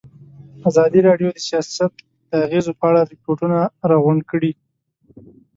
ازادي راډیو د سیاست د اغېزو په اړه ریپوټونه راغونډ کړي.